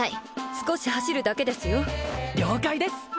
少し走るだけですよ了解です！